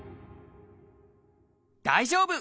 大丈夫！